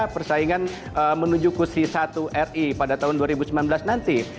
persaingan menuju kursi satu ri pada tahun dua ribu sembilan belas nanti